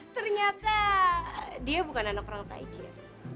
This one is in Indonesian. ternyata dia bukan anak orang taiji ya